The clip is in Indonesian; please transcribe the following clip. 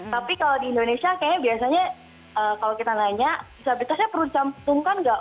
tapi kalau di indonesia kayaknya biasanya kalau kita nanya disabilitasnya perlu dicampumkan nggak